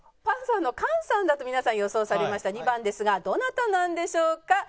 パンサーの菅さんだと皆さん予想されました２番ですがどなたなんでしょうか？